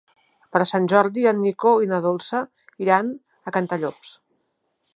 Per Sant Jordi en Nico i na Dolça iran a Cantallops.